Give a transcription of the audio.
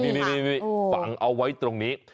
นี่ฝังเอาไว้ตรงนี้